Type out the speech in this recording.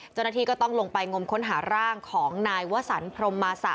เจ้าหน้าที่ก็ต้องลงไปงมค้นหาร่างของนายวสันพรมมาสะ